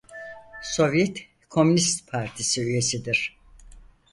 Sovyet Komünist Partisi üyesidir.